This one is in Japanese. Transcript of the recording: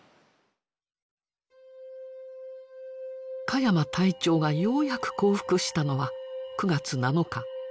鹿山隊長がようやく降伏したのは９月７日。